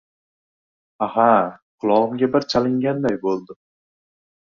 — Aha, qulog‘imga bir chalinganday bo‘ldi.